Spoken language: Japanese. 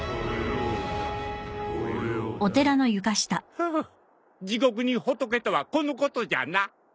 ふう地獄に仏とはこのことじゃな。